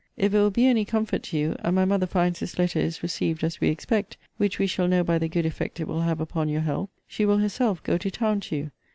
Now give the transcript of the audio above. If it will be any comfort to you, and my mother finds this letter is received as we expect, (which we shall know by the good effect it will have upon your health,) she will herself go to town to you.